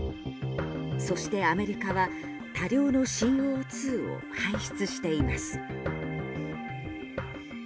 そしてアメリカは多量のＣＯ２を排出しています。